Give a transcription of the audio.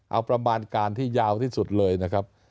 เอาประมาณการที่ยาวที่สุดเลยนะครับ